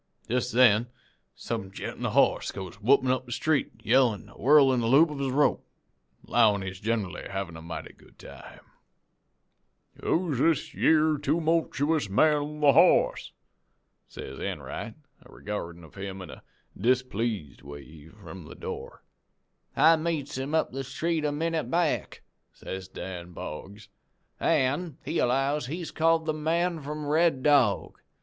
"Jest then some gent on a hoss goes whoopin' up the street a yellin' an' a whirlin' the loop of his rope, an' allowin' generally he's havin' a mighty good time. "'Who's this yere toomultuous man on the hoss?' says Enright, a regardin' of him in a displeased way from the door. "'I meets him up the street a minute back,' says Dan Boggs, 'an' he allows he's called "The Man from Red Dog."